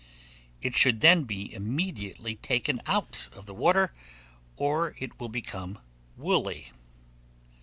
It should then be immediately taken out of the water, or it will become woolly.